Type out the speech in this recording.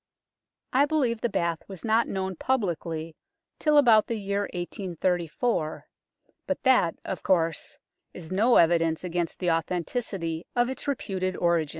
I believe the bath was not known publicly till about the year 1834, but that, of course, is no evidence against the authenticity of its reputed origin.